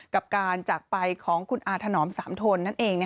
กับการจากไปของคุณอาถนอมสามทนนั่นเอง